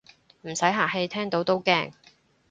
唔使客氣，聽到都驚